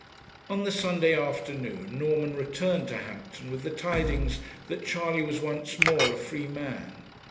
On the Sunday afternoon, Norman returned to Hampton with the tidings that Charley was once more a free man.